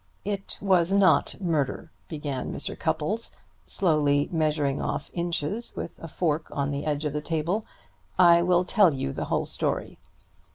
"It was not murder," began Mr. Cupples, slowly measuring off inches with a fork on the edge of the table. "I will tell you the whole story.